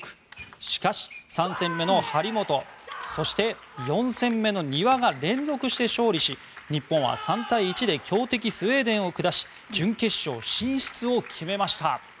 しかし、３戦目の張本そして、４戦目の丹羽が連続して勝利し日本は３対１で強敵スウェーデンを下し準決勝進出を決めました。